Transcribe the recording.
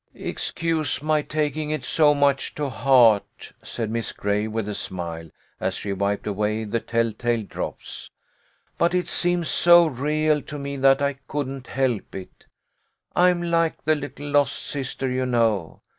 " Excuse my taking it so much to heart," said EUGENIA JOINS THE SEARCH. 113 Miss Gray, with a smile, as she wiped away the tell tale drops, " but it seems so real to me that I couldn't help it. I'm like the little lost sister, you know.